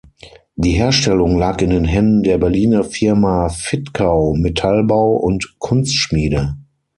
Die Herstellung lag in den Händen der Berliner Firma Fittkau Metallbau und Kunstschmiede.